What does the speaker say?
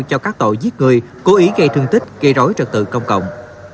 cho các tội giết người cố ý gây thương tích gây rối trật tự công cộng